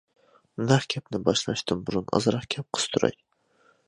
نەق گەپنى باشلاشتىن بۇرۇن ئازراق گەپ قىستۇراي.